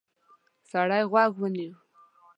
سړی غوږ ونیو.